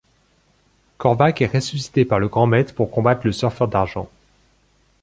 Korvac est ressuscité par le grand maître pour combattre le Surfer d'argent.